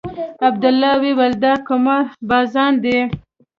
عبدالله وويل دا قمار بازان دي.